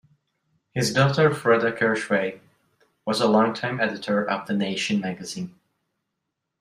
His daughter Freda Kirchwey was a longtime editor of "The Nation" magazine.